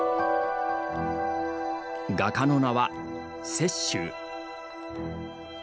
画家の名は、雪舟。